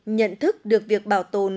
nhận thức được việc bảo tồn